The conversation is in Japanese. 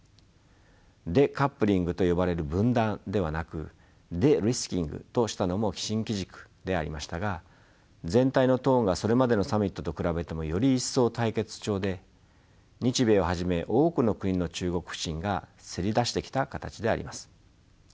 デカップリングと呼ばれる分断ではなくデリスキングとしたのも新機軸でありましたが全体のトーンがそれまでのサミットと比べてもより一層対決調で日米をはじめ多くの国の中国不信がせり出してきた形であります。